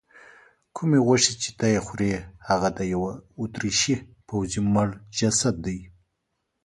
کومې غوښې چې ته یې خورې هغه د یوه اتریشي پوځي مړ جسد دی.